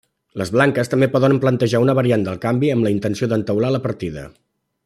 Les blanques també poden plantejar una variant del canvi amb la intenció d'entaular la partida.